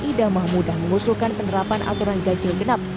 idamah mudah mengusulkan penerapan aturan gaji yang genap